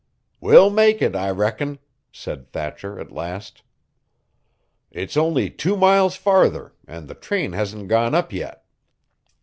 "We'll make it, I reckon," said Thatcher, at last. "It's only two miles farther, and the train hasn't gone up yet."